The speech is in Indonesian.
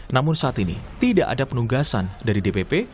namun saat ini tidak ada penugasan dari dpp